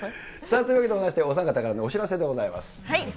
というわけでございまして、お三方からのお知らせでございます。